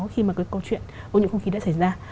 khi mà cái câu chuyện của những khung khí đã xảy ra